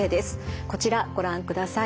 こちらご覧ください。